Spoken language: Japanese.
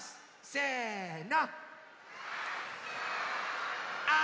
せの！